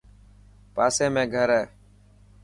پاسي ۾ گهر هي.